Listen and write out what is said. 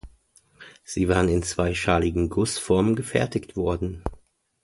Sie waren in zweischaligen Gussformen gefertigt worden.